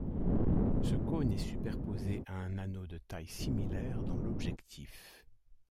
Ce cône est superposé à un anneau de taille similaire dans l'objectif.